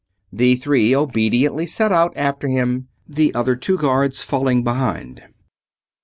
The three obediently set out after him, the other two guards falling behind.